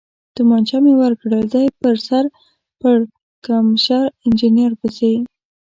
تومانچه مې ورکړل، دی په سر پړکمشر انجنیر پسې.